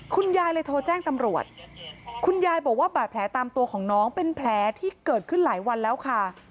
คุณยายเลยโทรแจ้งตำรวจคุณยายบอกว่าบาดแผลตามตัวของน้องเป็นแผลที่เกิดขึ้นหลายวันแล้วค่ะ